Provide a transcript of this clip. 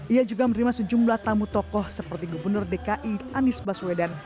ia juga menerima sejumlah tamu tokoh seperti gubernur dki anies baswedan